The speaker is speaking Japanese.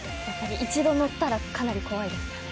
一度乗ったらかなり怖いですか？